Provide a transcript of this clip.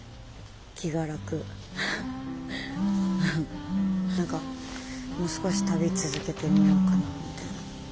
何かもう少し旅続けてみようかなみたいな感じかな。